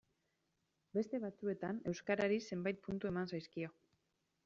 Beste batzuetan euskarari zenbait puntu eman zaizkio.